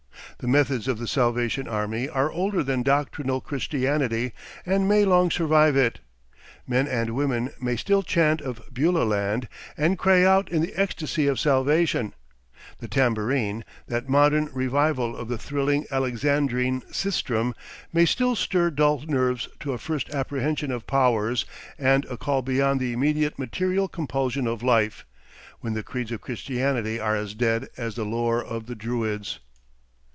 The methods of the Salvation Army are older than doctrinal Christianity, and may long survive it. Men and women may still chant of Beulah Land and cry out in the ecstasy of salvation; the tambourine, that modern revival of the thrilling Alexandrine sistrum, may still stir dull nerves to a first apprehension of powers and a call beyond the immediate material compulsion of life, when the creeds of Christianity are as dead as the lore of the Druids.